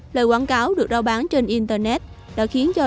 lời quảng cáo được giao bán trên internet đã khiến các bác sĩ